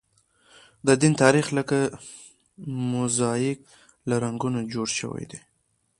د دین تاریخ لکه موزاییک له رنګونو جوړ شوی دی.